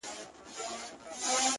• تښتېدلې ورنه ډلي د لېوانو,